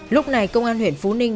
lúc này công an huyện phú ninh